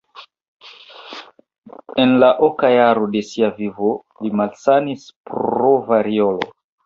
En la oka jaro de sia vivo li malsanis pro variolo.